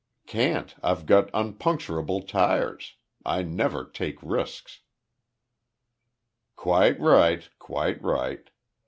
"Can't. I've got unpuncturable tyres. I never take risks." "Quite right. Quite right.